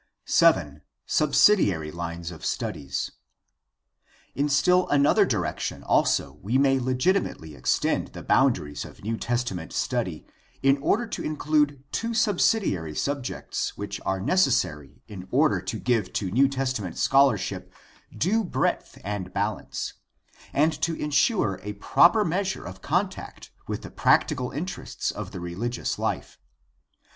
7. Subsidiary lines of studies. — In still another direction also we may legitimately extend the boundaries of New Testament study in order to include two subsidiary sub jects which are necessary in order to give to New Testament scholarship due breadth and balance, and to insure a proper measure of contact with the practical interests of the rehgious life.